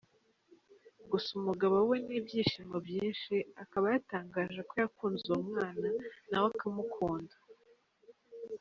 Gusa umugabo we ni ibyishimo byinshi akaba yatangaje ko yakunze uwo mwana nawe akamukunda.